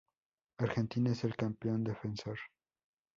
Argentina es el campeón defensor.